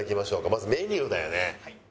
まずメニューだよね。